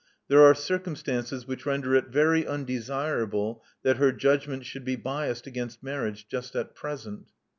There are circumstances which render it very undesirable that her judgment should be biassed against marriage just at present."